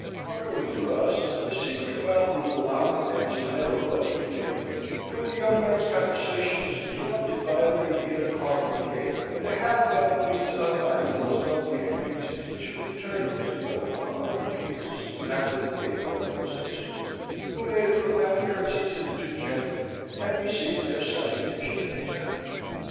Luckily for us, the secret about the little Opera dancer never was revealed, for the young men's conversation was interrupted by a lady in a cardinal cape, and a hat by no means unlike those lovely headpieces which have returned into vogue a hundred years after the date of our present history, who made a profound curtsey to the two gentlemen and received their salutation in return.